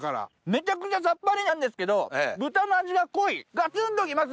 めちゃくちゃさっぱりなんですけど豚の味が濃いガツンときます。